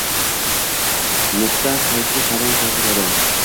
No`xta qayishi tarang tortiladi